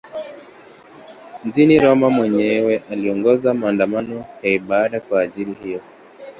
Mjini Roma mwenyewe aliongoza maandamano ya ibada kwa ajili hiyo.